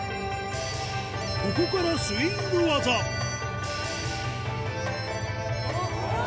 ここからスイング技おぉ！